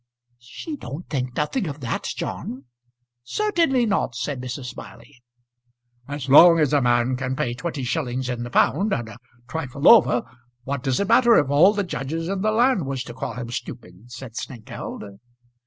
"She don't think nothing of that, John." "Certainly not," said Mrs. Smiley. "As long as a man can pay twenty shillings in the pound and a trifle over, what does it matter if all the judges in the land was to call him stupid?" said Snengkeld.